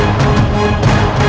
aku sudah berhenti